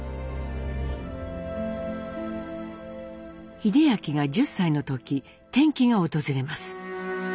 英明が１０歳の時転機が訪れます。